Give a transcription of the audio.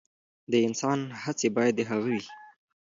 د انسان هڅې باید د هغه وي.